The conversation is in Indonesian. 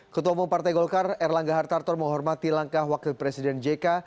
ketua umum partai golkar erlangga hartarto menghormati langkah wakil presiden jk